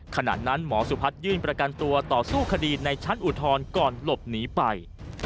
ขณะนั้นหมอสุพัฒน์ยื่นประกันตัวต่อสู้คดีในชั้นอุทธรณ์ก่อนหลบหนีไป